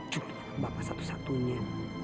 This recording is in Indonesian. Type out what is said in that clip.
juli anak bapak satu satunya